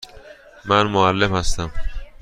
من معلم هستم.